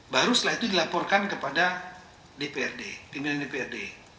baru setelah itu dilaporkan kepada dprd pimpinan dprd